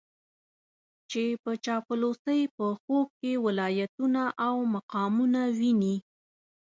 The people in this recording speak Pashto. چې په چاپلوسۍ په خوب کې ولايتونه او مقامونه ويني.